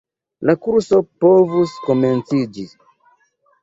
La kurso povus komenciĝi.